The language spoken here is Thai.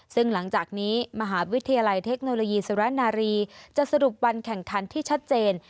ซึ่งหลังจากนี้มหาวิทยาลัยเทคโนโลยีสุรนารีจะสรุปวันแข่งขันที่ชัดเจน